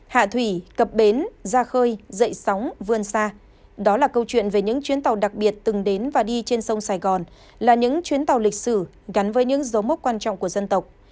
hạ thủy cập bến ra khơi dậy sóng vươn xa đó là câu chuyện về những chuyến tàu đặc biệt từng đến và đi trên sông sài gòn là những chuyến tàu lịch sử gắn với những dấu mốc quan trọng của dân tộc